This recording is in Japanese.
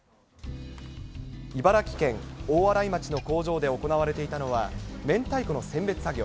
茨城県大洗町の工場で行われていたのは、めんたいこの選別作業。